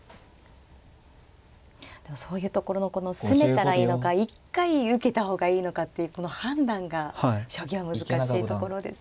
でもそういうところのこの攻めたらいいのか一回受けた方がいいのかっていうこの判断が将棋は難しいところですね。